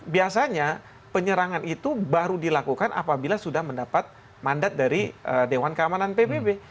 biasanya penyerangan itu baru dilakukan apabila sudah mendapat mandat dari dewan keamanan pbb